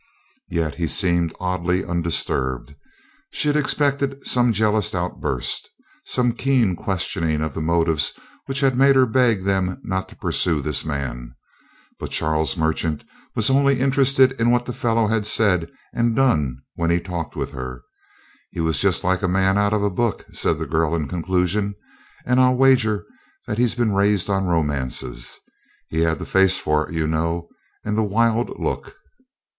Yet he seemed oddly undisturbed. She had expected some jealous outburst, some keen questioning of the motives which had made her beg them not to pursue this man. But Charles Merchant was only interested in what the fellow had said and done when he talked with her. "He was just like a man out of a book," said the girl in conclusion, "and I'll wager that he's been raised on romances. He had the face for it, you know and the wild look!"